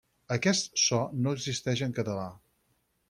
Aquest so no existeix en català.